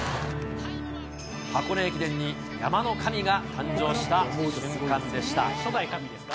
箱根駅伝に山の神が誕生した瞬間でした。